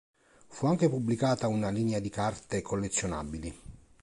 Fu anche pubblicata una linea di carte collezionabili.